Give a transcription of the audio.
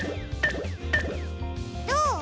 どう？